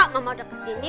mama udah kesini